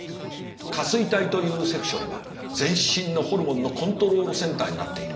下垂体というセクションは全身のホルモンのコントロールセンターになっている。